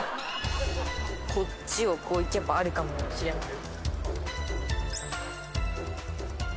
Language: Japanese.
こっちをこう行けばあるかもしれません。